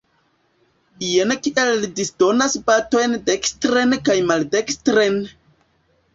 Jen kiel li disdonas batojn dekstren kaj maldekstren!